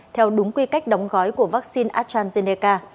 theo đúng quy cách đóng gói của vaccine astrazeneca